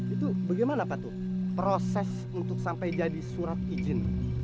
itu bagaimana pak tuh proses untuk sampai jadi surat izin